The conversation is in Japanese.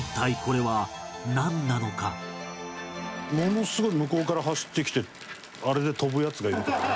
ものすごい向こうから走ってきてあれで飛ぶヤツがいるとかね。